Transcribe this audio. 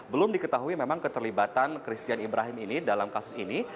belum diketahui memang keterlibatan christian ibrahim ini dalam kasus ini